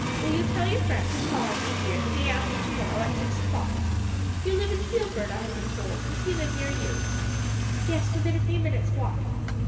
Will you tell your friend to call on me here the day after to morrow at six o'clock? You live in Sealford, I have been told; does he live near you?" "Yes, within a few minutes' walk."